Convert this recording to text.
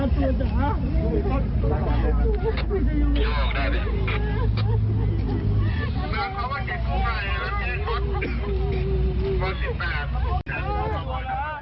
ตัวจ๋า